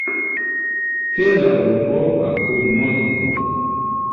Stela Urbo apud Moskvo.